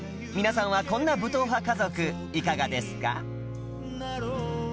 皆さんはこんな武闘派家族いかがですか？